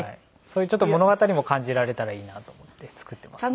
そういう物語も感じられたらいいなと思って作っています。